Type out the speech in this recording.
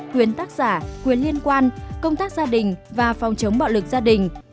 quyến tác giả quyến liên quan công tác gia đình và phòng chống bạo lực gia đình